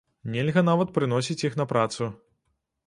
Нельга нават прыносіць іх на працу.